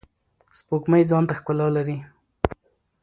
سپوږمۍ ځانته ښکلا لری.